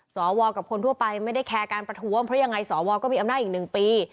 สวกับคนทั่วไปไม่ได้แคร์การประท้วงเพราะยังไงสวก็มีอำนาจอีก๑ปี